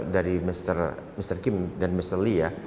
dari mr kim dan mr lee ya